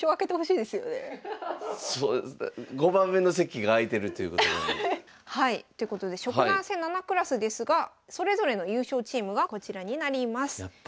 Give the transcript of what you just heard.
そう５番目の席が空いてるということなんで。ということで職団戦７クラスですがそれぞれの優勝チームがこちらになります。